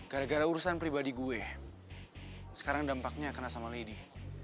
gara gara urusan pribadi gue sekarang dampaknya kena sama lady